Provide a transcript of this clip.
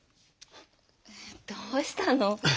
えどうしたの？